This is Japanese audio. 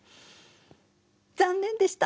残念でした！